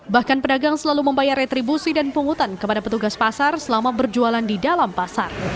bahkan pedagang selalu membayar retribusi dan pungutan kepada petugas pasar selama berjualan di dalam pasar